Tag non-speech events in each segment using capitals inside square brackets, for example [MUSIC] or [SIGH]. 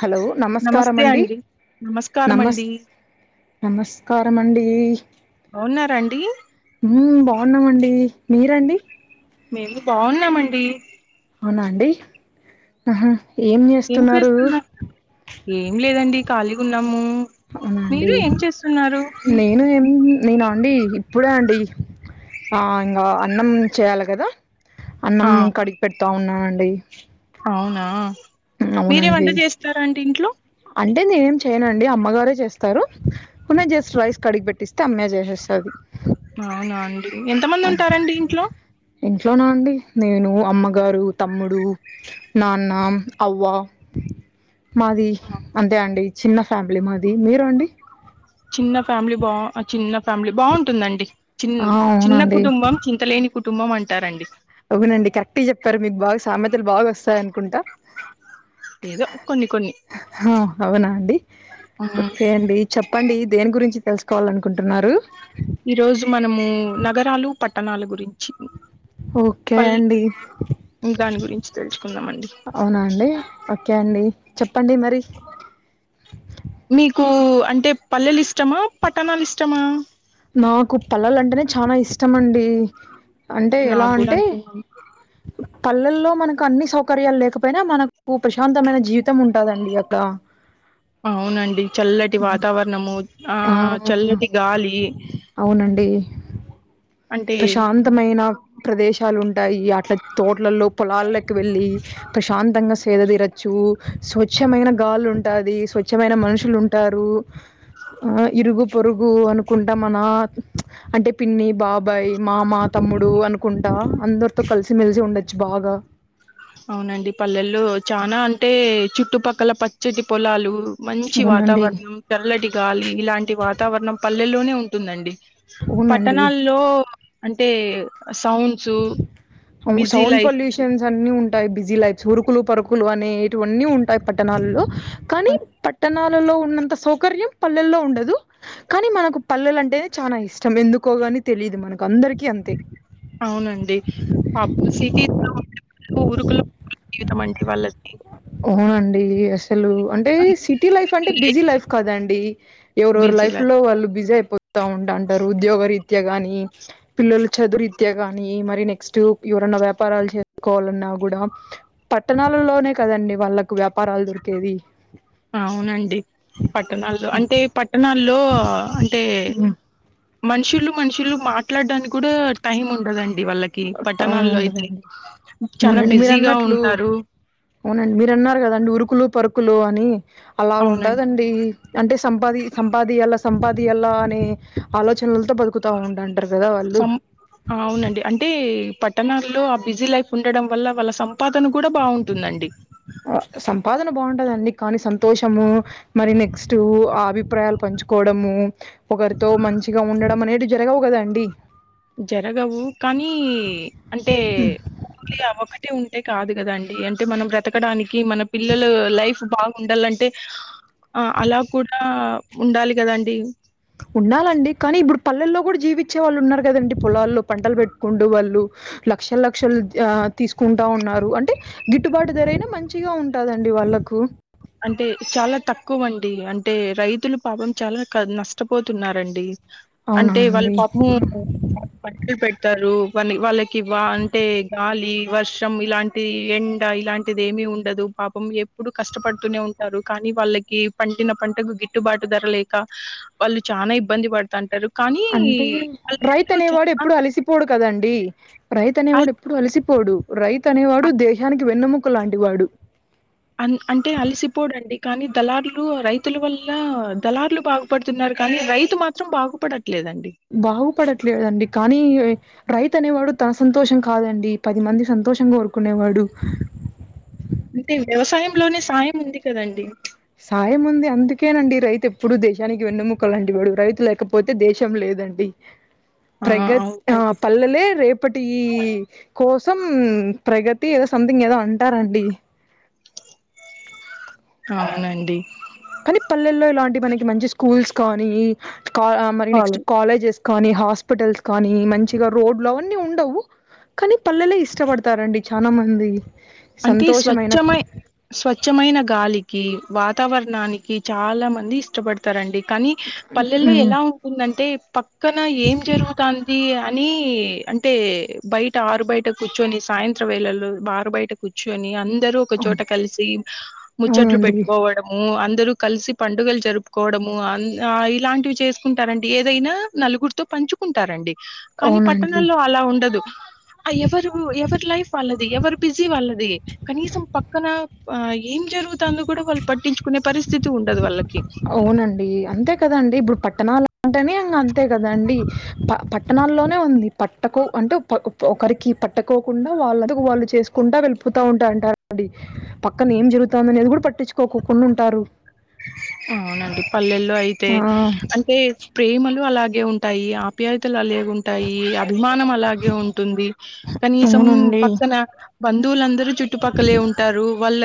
Hello నమస్కార అండి, నమస్కారం నమస్ అండి నమస్కారం అండి, బాగున్నారా అండి ఉమ్ బాగున్నామండి. మీరండి మేము బావున్నామండి. అవునా అండి, ఆహా ఏం జేస్తున్నారు. ఏం లేదండి ఖాళీగా ఉన్నాము అవునండి, మీరు ఏం చేస్తున్నారు నేను ఎం నేను ఆన్ అండి ఇప్పుడే అండి, ఆ ఇంగా అన్నం చేయాలే గదా. అన్నం ఆ కడిగి పెడతా ఉన్నానండి. అవునా, మీరేవంట అవునండి చేస్తారా అండి ఇంట్లో. అంటే నేనేం చేయనండి అమ్మగారే చేస్తారు. నేన్ జస్ట్ రైస్ కడిగి పెట్టిస్తే అమ్మే జేసేస్తది. అవునా అండి, ఎంతమంది ఉంటారండి ఇంట్లో. ఇంట్లో నా అండి నేను, అమ్మగారు, తమ్ముడు, నాన్న, అవ్వ [INAUDIBLE] మాది ఆ, అంతే అండి, చిన్న ఫ్యామిలీ మాది. మీరు అండి చిన్న ఫ్యామిలీ బా, ఆ చిన్న ఫ్యామిలీ బావుంటుందండి. చిన్, ఆ చిన్న అవునండి కుటుంబం చింతలేని కుటుంబం అంటారండి. అవునండి కరెక్ట్ గా చెప్పారు, మీకు బాగా సామెతలు, బాగా ఓస్తాయి అనుకుంటా. ఏదో కొన్ని కొన్ని హా అవునా అండి. ఓకే అండి చెప్పండి, దేని గురించి తెలుసుకోవాలనుకుంటున్నారు. ఈ రోజు మనము నగరాలు, పట్టణాల గురించి ఓకే పల్ అండి. దాని గురించి తెలుసుకుందామండి అవునా అండి ఓకే అండి, చెప్పండి మరి. మీకు అంటే పల్లెలు ఇష్టమా, పట్టణాలు ఇష్టమా. నాకు పల్లెలు అంటేనే చానా ఇష్టంమండి. డి అంటే ఎలా నాకు కూడా అంటే. అంతేనండి పల్లెల్లో మనకు అన్ని సౌకర్యాలు లేకపోయినా, మనక్ కు ప్రశాంతమైన జీవితం ఉంటాదండి అక్కడ. అవునండి చల్లటి వాతావరణము, ఆ చల్లటి గాలి అవునండి. అంటే ప్రశాంతమైన ప్రదేశాలు ఉంటాయి. అట్ల తోటలలో, పొలాలకి వెళ్ళి ప్రశాంతంగా స్ సేద తీరచ్చు, స్వచ్ఛమైన గాలు ఉంటాది, స్వచ్ఛమైన మనుషులు ఉంటారు. ఆ ఇరుగు, పొరుగు అనుకుంటా మన అంటే పిన్ని, బాబ్ బై, మామ, తమ్ముడు అనుకుంటా అందరితో కలిసిమెలిసి ఉండొచ్చు బాగా. అవునండి పల్లెల్లో చానా అంటే, చుట్టుపక్కల పచ్చటి పొలాలు మంచి అవునండి వాతావరణం, తెల్లటి గాలి ఇలాంటి వాతావరణం పల్లెల్లోనే ఉంటుందండి. అవునండి పట్టణాల్లో అంటే, ఆస్క్ [UNINTELLIGIBLE] సౌండ్ లైఫ్ పొల్యూషన్స్ అన్ని ఉం ఉంటాయి బిజీ లైప్స్ ఉరుకులు పరుకులు అనేటివి అన్నీ ఉంటాయి పట్టణలో కానీ పట్టణాలు పట్టణాల్లో ఉన్న ఉన్నంత సౌకర్యం పల్లెల్లో ఉండదు కానీ మనకు పల్లెలు అంటేనే చాలా ఇష్టం ఎందుకు ఎక్కగాని తెలియదు మనకు అందరికీ అంతే అవునండి పప్పు చీటి ఊరుకులో [INAUDIBLE] జీవితం అండి వాళ్లది అవునండి అసలు అంటే సిటీ లైఫ్ అంటే బిజీ లైఫ్ కదండి ఎవరెవరో లైఫ్ లో వాళ్ళు బిజీ అయిపోతా ఉంటుంటారు ఉద్యోగ రీతి త్యా గాని పిల్లలు చదువు రీత్యా గాని మరి నెక్స్ట్ ఎవరన్నా వ్యాపారాలు చేసుకోవాలన్నా ఆ గూడ పట్టణాలలోనే కదండి వాళ్ళకు వ్యాపారాలు దొరికేది అవునండి పట్టణాల్లో అంటే పట్టణాల్లో అంటే మనుషులు మనుషులు మాట్లాడడానికి కూడా టైం ఉండదండి వాళ్ళకి టౌన్ పట్టణాల్లో అయితే ఉండదండి చానా అవునండి మీరు బిజీగా అన్నట్లు ఉంటారు అవునండి మీరు అన్నారు కదాండి ఉరుకులు పరుకు కులు అని అలా అవునండి ఉంటదండి అంటే సంపాది సంపాదియాల సంపాది ఇది అలా అని ఆలోచనలతో బతుకుతా ఉండ ఉంటారు కదా వాళ్ళు ఈ పట్టణాల్లో ఆ బిజీ లైఫ్ ఉండడం వల్ల వాళ్ళ సంపాదన కూడా బాగుంటుందండి ఆ సంపాదన బాగుంటదండి కానీ సంతోషము మరి నెక్స్ట్ ఆ అభిప్రాయాలు పంచుకోవడము ఒకరితో మంచిగా ఉండడం అనేది జరగవు కదండి జరగవు కానీ అంటే [INAUDIBLE] ఒకటే ఉ అంతే కాదు కదాండి అంటే మనం బ్రతకడానికి మన పిల్లలు లైఫ్ బాగుండాలంటే ఆ అలా కూడా ఉండాలి కదండి ఉండాలండి కానీ ఇప్పుడు పల్లెల్లో కూడా జీవించే వాళ్ళు ఉన్నారు కదండి పొలాల్లో పంటలు పెట్టుకుంటూ వాళ్ళు లక్ష లక్షలు ఆ తీసుకుంటా ఉన్నారు అంటే గిట్టుబాటు ధర అయినా మంచిగా ఉంటదండి వాళ్లకు అంటే చాలా తక్కువ అండి అంటే రైతులు పాపం చాలా క నష్టపోతున్నారండి అవునా అంటే వాళ్ళ అండి. పాపం పంటలు పెడుతూ తారు వా వాళ్ళకి వా అంటే గాలి వర్షం ఇలాంటి ఎండ ఇలాంటిది ఏమి ఏముండదు పాపం ఎప్పుడు కష్టపడుతూ ఉంటూనే ఉంటారు కానీ వాళ్ళకి పడిన పంటకు గిట్టుబాటు ధర లేక వాళ్ళు చాలా ఇబ్బంది ప పడతా అంటారు అంటే రైతు అనేవాడు ఎప్పుడు అలసిపోడు కదండి రైతు అల్ అనేవాడు ఎప్పుడు అలసిపోడు రైతు అనేవాడు అన్ దేశానికి వెన్నుముక్క లాంటి వాడు అ అంటే అలసిపోడండి కానీ దళారులు రైతుల వల్ల దళార్లు బాగుపడుతున్నారు కానీ రైతు మాత్రం బాగుపడ బాగుపడట్లేదండి కానీ రైతు అనేవాడు తన సంతోషం కాదండి పది మంది సంతోషంగా కోరుకునేవాడు అంటే వ్యవసాయంలోనే సాయం ఉంది కదండి సాయం ఉంది అందుకేనండి రైతు ఎప్పుడు దేశానికి వెన్నుముక లాంటి వాడు రైతు లేకపోతే దేశం లేదు లేదండి ఆ! ప్రగ ఆ అవునండి. పల్లలే రేపటి ఈ కో సమ్ ప్రగతి ఏదో సంథింగ్ ఏదో అంటారండి అవునండి కానీ పల్లెల్లో ఇలాంటి మనకి మంచి స్కూల్స్ కానీ కా మరి నెక్స్ట్ కాలే కాలేజెస్ కానీ హాస్పిటల్స్ కానీ మంచిగా రోడ్లు అవన్నీ ఉండవు కానీ పల్లె లే ఇష్టపడతారండి చాలా మంది అంటే సంతోషమైన స్వచ్ఛమై స్వచ్ఛమైన గాలికి వాతావరణానికి చాలా మంది ఇష్టపడతారండి కానీ పల్లెల్లో ఉమ్ ఎలా ఉంటుందంటే పక్కన ఏం జరుగుతుంది అ ని అంటే బయట ఆరు బయట కూర్చొని సాయంత్రం వేళలో ఆరు బయటకు కూర్చుని అందరు అవును ఒకచోట కలిసి ముచ్చట్లు అవునండి పెట్టుకోవడము అ ఇద్దరు కలిసి పండుగలు జరుపుకోవడము ఆ ఇలాంటివి చేసుకుంటారంటడి ఏదైనా నలుగురితో పం పంచుకుంటారండి కానీ అవునండి పట్టణాల్లో అలా ఉండదు ఎవరు ఎవరి లైఫ్ వాళ్ళది ఎవరు బిజి వాళ్ళది కనీసం పక్కన ఏం జరుగుతుందో కూడా వాళ్ళు పట్టించుకునే పరిస్థితి స్థితి ఉండదు వాళ్ళ అవునండి అంతే కదండి ఇప్పుడు పట్టణాల పట్టనే అంతే కదండి ప పట్టణాల్లోనే ఉంది పట్టకు అంటే ఓ ఒకరికి పట్టకోకుండా వాళ్ళ వాళ్ళు చేసుకుంటా వెళ్ళితా ఉంటారుంటారుడి పక్కన ఏం జరుగుతుందని అది కూడా పట్టించుకోక కొండా ఉంటారు అవునండి పల్లెల్లో అయితే ఆ! అంటే ప్రేమలు అలాగే ఉంటాయి ఆప్యాయతలు అలే ఉంటాయి అభిమానం అలాగే ఉంటుంది కనీసం అవునండి. పక్కన బంధువులందరు చుట్టుపక్కలే ఉంటారు వాళ్ళ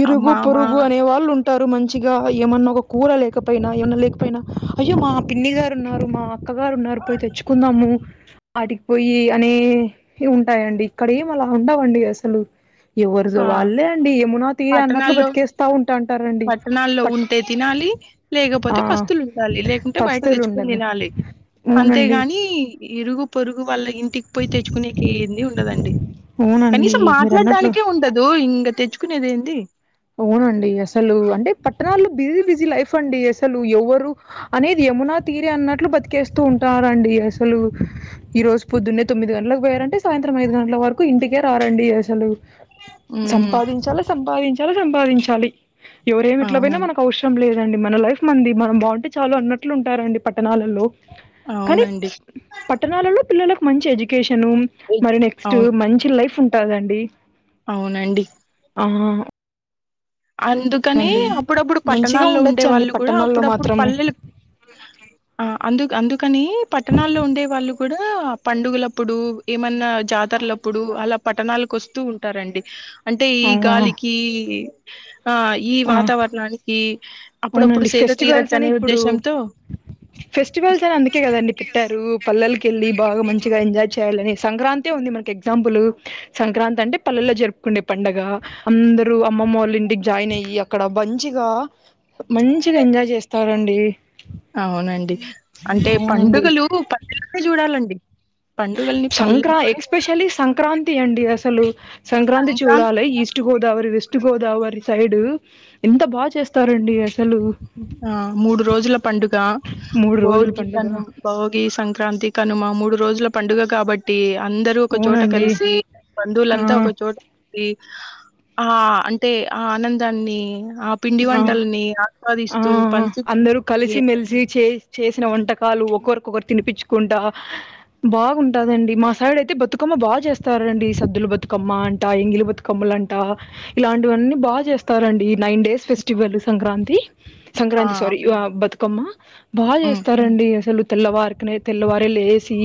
ఇరుగు పొరుగు అనే వాళ్ళు ఉం టారు మంచిగా ఏమన్నా ఒక కూర లేకపోయినా ఏమన్నా లేకపోయినా అయ్యో మా పిన్ని గారు ఉన్నారు మా అక్కగారు ఉన్నారు పోయి తెచ్చుకుందాము ఆడికి పోయి అనే ఉంటాయండి ఇక్కడ ఏం అలా ఉండవండి అసలు ఎవరుది ఆ! వాళ్ళే ఏమునా తీరే అన్నట్లు పట్టణాల్లో బతికేస్తా ఉంటాంటారండి పట్టణాల్లో బట్ ఆ పస్తులుండలి లేకుంటే బయట పస్తులు తెచ్చుకని ఉండరు తినాలి అంతే అవునండి గాని ఇరుగు పొరుగు వాళ్ళ ఇంటికి పోయి తెచ్చుకునే ఏంది ఉండదండి అవునండి కనీసం మీరు మాట్లాడడానికి అన్నట్లు అదో ఇంకా తెచ్చుకునేది ఏంది అవునండి అసలు అంటే పట్టణాలు బిజీ బిజీ లైఫ్ అండి అసలు ఎవరు అనేది యమున తీరే అన్నట్లు బతికేస్తూ ఉంటారండి అసలు ఈ రోజు పొద్దున్నే తొమ్మిది గంటలకు పోయారంటే సాయంత్రం ఐదు గంటల వరకు ఇంటికే రారండి అసలు ఉమ్ సంపాదించాలి సంపాదించాలి సంపాదించాలి ఎవరేమి ఎట్లా పోయినా అవునండి మనకు అవసరం లేదు అండి మన లైఫ్ మనది మనం బాగుంటే చాలా అన్నట్లు ఉంటారండి పట్టణాలలో కానీ అవునండి పట్టణాలలో పిల్లలకు మంచి ఎడ్యుకేషన్ షాను ఏజ్- మరి నెక్స్ట్ అవును మంచి లైఫ్ ఉంటదండి అవునండి ఆ అందుకని అప్పుడప్పుడు మంచిగా పట్టణాల్లో ఉండే ఉండొచ్చండి వాళ్ళు కూడా పట్టణాల్లో అప్పుడప్పుడు మాత్రము పల్లెలు ఆ అందు అందుకని పట్టణాల్లో ఉండే వాళ్ళు కూడా పండుగలప్పుడు ఏమన్నా జాతరలప్పుడు అలా పట్టణాలకు వస్తూ ఉంటారండి అంటే ఈ అవును గాలికి ఆ ఈ ఆ వాతావరణానికి అప్పుడప్పుడు అవునండి సీత తీరచ్చ ఫెస్టివల్స్ అని అనే ఇప్పుడు ఉద్దేశంతో ఫెస్టివల్స్ అని అందుకే కదండి పెట్టారు పల్లలకి వెళ్ళి బాగా మంచిగా ఎంజాయ్ చే చేయాలని సంక్రాంతి ఉంది మనకి ఎగ్జాంపుల్ సంక్రాంతి అంటే పల్లెల్లో జరుపుకుండే పండగ అందరూ అమ్మమ్మ వాళ్ళ ఇంటికి జాయిన్ అయ్యి అక్కడ అంతా మంచిగా మంచిగా ఎంజాయ్ చేస్తారండి అవునండి అంటే అవునండి పండుగలు పండుగలనే చూడాలండి పండుగల్ని సంక్రా పల్లెల్లోనే ఎక్స్పెషలీ సంక్రాం టి అండి అసలు సంక్రాంతి చూడాలి East Godavari West Godavari side ఎంత బాగ చేస్తారండి అసలు ఆ మూడు రోజుల పండుగా మూడు రోజుల భోగి పండుగ కను భోగి సంక్రాంతి కనుమ మూడ్ రోజుల పండుగ కాబట్టీగ అందరూ ఒక చోట అవునండి కలిసీ ఆ బంధువులంతా ఒక చోట ఉండి ఆ అంటే ఆ ఆనందాన్నీ ఆ పిండి వంటల్నీ ఆ ఆ ఆ అహ్ అందరూ కలిసి మెలిసి చే చేసిన వం టకాలు ఒకరికొకరు తినిపిచ్చుకుంటా బాగుంటాదండి మా సైడయితే బతుకమ్మ బా జరుపు స్తారండీ సద్దుల బతుకమ్మా అంట ఎంగిలి బతుకమ్మలంటా ఇలాంటివన్నీ బాగ జేస్తారండీ నైన్ డేస్ ఫెస్టివలు సంక్రాంతి ఆ! సంక్రాంతి స్వారీ బా బతుకమ్మ బాగ హ్మ్. జేస్తారండి అసలు తెల్లవారికనే తెల్లవారే లేసీ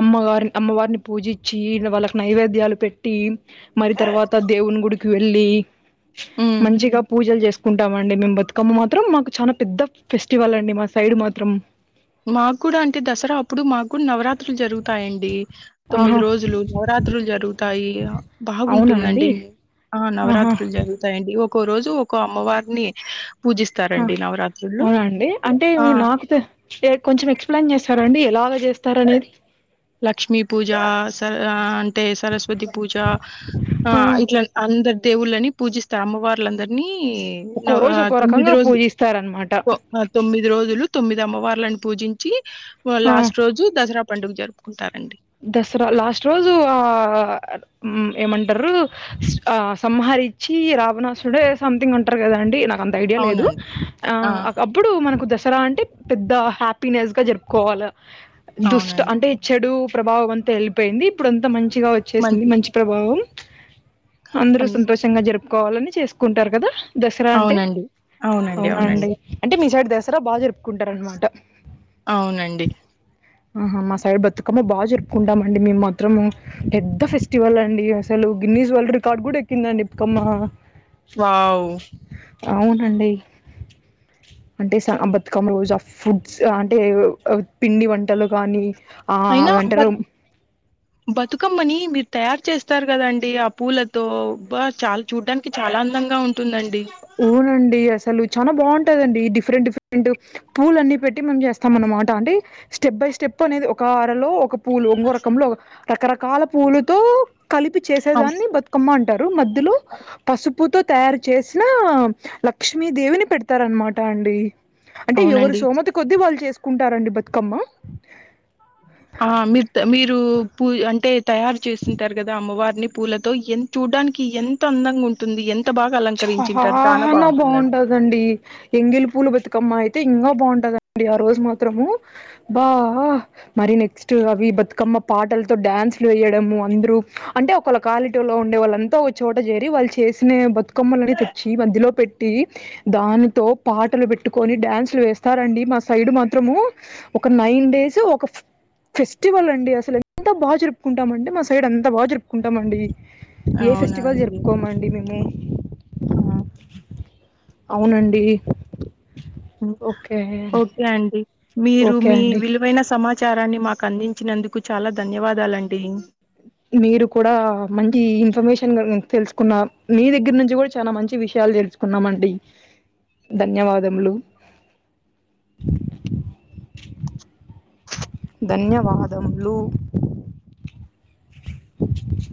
అమ్మవారిన్ అమ్మవార్ని పూజిచ్చి ఈ వాళ్ళక్ నైవేద్యాలు పెట్టీ మరి తర్వాత దేవున్ గుడికి వెళ్లీ హ్మ్. మంచిగ పూజల్ జేస్ కుంటామండి మెం బతుకమ్మ మాత్రం మాకు చానా పెద్ద ఫెస్టివలండి మా సైడు మాత్రం మాక్కూడా అంటే దసరా అప్పుడు మాక్కూన్ నవరాత్రుల్ జరుగుతాయండి తొమ్మిది ఆహా రోజులు నవరాత్రులు జరుగుతాయి అ అవునా బాగుంటుందండి అండి మి ఆ ఆహా నవరాత్రులు జరుగుతాయండి ఒకో రోజు ఒకో అమ్మవార్ని అ అవునండి అంటే ఆ! నాకు తె చే కొంచెం ఎక్స్ప్లెయిన్ జేస్తారా అండి ఎలా ఆరాదీస్తారనేది లక్ష్మీ పూజా సర్ ఆ తె సరస్వతీ పూజా ఆ ఇట్ల అంద దేవుళ్ళని పూజిస్తాం అమ్మవార్లందర్నీ ఈ ఒక్కో నవ రోజు ఒక్కో తొమ్మిది రకంగా రోజులు పూజిస్తారనమాట కొ అ తొమ్మిది రోజులు తొమ్మిదమ్మవార్లను పూజించీ వా లాస్ట్ రోజు దసరా పండుగ జరుపుకుంటారు దసరా లాస్ట్ రోజూ ఆ మ్మ్ ఏమంటరూ ఆ సంహరిచ్చీ రావణాసుడే ఏ సమ్థింగ్ అంటరు కదా అండి నా అంత ఐడియా లేదు అవునండి. ఆ అ అప్పుడూ మనకు దశ రా అంటె పెద్ద హ్యాపీనెస్గా జరుపుకోవాల దుష్ట అవునండి అంటే చెడూ ప్రభావం అంత ఎళ్ళిపోయింది ఇప్పుడంత మంచిగా వచ్చేసింది మంచి ప్రభావం అందరూ అన్ సంతోషంగా జరుపుకోవాలని చేసుకుంటారు కదా దసరా అంటె అవునండి అవునండి అవునా అవునండి అండి అంటే మీ సైడ్ దసరా బాగ జరుపుకుంటరున్మాట అవునండి ఆహా మా సైడ్ బతుకమ్మ బా జ జరుపుకుంటామండి మేమ్ మాత్రము పెద్ద ఫెస్టివల్లండి అసలు గిన్నీస్ వల్డ్ రికార్డ్ గూడ ఎక్కిందండి కమ్మా వావ్ అవునండీ అంటే స అంబతుకమ్మ రోజు ఆ ఫుడ్స్ ఆ అంటే అ పిండి వంటలు కానీ ఆ వంటరూ బతుకమ్మనీ మీరు తయారు చేస్తారు గదండీ ఆ పూలతోబ్బా చాల చూడ్డానికి చాలా అందంగా ఉంటుందండి ఊనండీ అస్ సలు చానా బావుంటదండీ డిఫరెంట్ డిఫరెంటు పూలన్నీ పెట్టి మనం జేస్తాం అన్నమాట అంటే స్టెప్ బై స్టెప్ అనేది ఒకా అరలో ఒక పూలు ఉంగో రకంలో ఒగ రకరకాల పూలతో కలిపి అవ్ చేసేదాన్నీ బతుకమ్మ అంటారు మధ్యలో పసుపుతో తయారు చేసి. నామ్ లక్ష్మీ దేవిని పెడతారన్మాట అండి. అంటే ఎవరి అవునండి సోమతి కొద్దీ వాళ్ళు చేసుకుంటారండి బతుకమ్మ. ఆ మీర్ త మీరూ పూజ అంటే. తయారు చేసింటారు గదా అమ్మవారిని పూలతో ఎన్ చూడానికి ఎంత అందంగా ఉంటుంది ఎం. చా హ హ నా బాగుంటదండి ఎంగిలి పూల బతుకమ్మ అయితే. ఇంగ బాగుంటదండి ఆ రోజు మాత్రమూ బా అ ఆ మరి నెక్స్ట్ అవి బతుకమ్మ. పాటలతో డాన్స్లు వేయడము అందురు అంటే ఒకళ క్వాలిటీలో ఉండే వాళ్ళంతా ఒక చోట జెరి వాళ్ళు చే. ఎస్నే బత్. కొమ్మాలని తెచ్చి మధ్యలో పెట్టి దానితో పాటలు పెట్టుకొని డ్యాన్సులు వేస్తారండి మ. మ సైడ్ మాత్రమూ ఒక నైన్ డేసు ఒక. ఫెస్టివల్ అండి అసలు ఎంత బాగా జరుపుకుంటాం అండి మా సైడ్ అంత బాగ జరుపు. కుంటమంది, ఏ అవునా ఫెస్టివల్, అండి జరుపుకోమండి, మేము. ఆ. అవునండి. ఓకే. ఓకే అండి, మీరు, ఓకే మీ అండి. విలువైన, సమ. చారాన్ని, మాకు, అందించినందుకు, చాలా, ధన్యవాదాలండి. మీరు కూడా, మంచి, ఇన్ఫర్మేషన్, ల్ తెలుసుకున్న, మీ దగ్గర, నుంచి, గుడా, చాలా, మంచి విష. యాలు తెలుసుుకున్నామండి, ధన్యవాదములు. హు ధన్యవాదములు, చూచు.